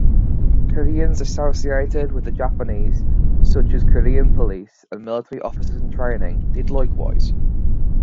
Koreans associated with the Japanese such as Korean Police and Military Officers-in-training did likewise.